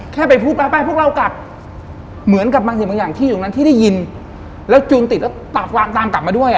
แค่ไปพูดไปไปพวกเรากลับเหมือนกับบางสิ่งบางอย่างที่อยู่ตรงนั้นที่ได้ยินแล้วจูนติดแล้วตามตามกลับมาด้วยอ่ะ